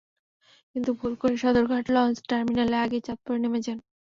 কিন্তু ভুল করে তিনি সদরঘাট লঞ্চ টার্মিনালের আগেই চাঁদপুরে নেমে যান।